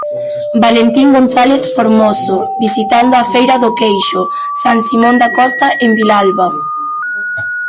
Valentín González Formoso visitando a Feira do Queixo San Simón da Costa en Vilalba.